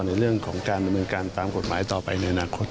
ในเรื่องของการดำเนินการตามกฎหมายต่อไปในอนาคต